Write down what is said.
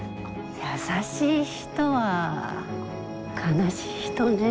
優しい人は悲しい人ね。